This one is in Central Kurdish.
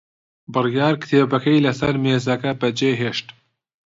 بڕیار کتێبەکەی لەسەر مێزەکە بەجێهێشت.